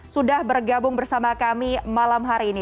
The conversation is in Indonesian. sudah bergabung bersama kami malam ini